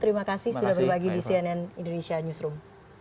terima kasih sudah berbagi di cnn indonesia newsroom